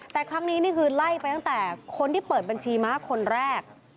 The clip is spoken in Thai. แต่ครั้งนี้นี่คือไล่ไปตั้งแต่คนที่เปิดบัญชีม้าคนแรก